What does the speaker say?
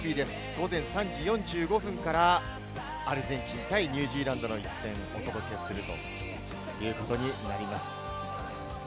午前３時４５分からアルゼンチン対ニュージーランドの一戦をお届けします。